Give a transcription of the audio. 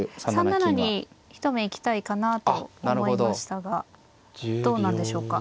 ３七に一目行きたいかなと思いましたがどうなんでしょうか。